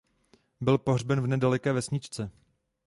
Byl pohřben v nedaleké vesničce.